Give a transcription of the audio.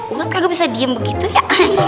urat kagak bisa diem begitu ya